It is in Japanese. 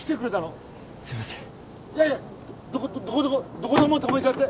どこどこでも止めちゃって。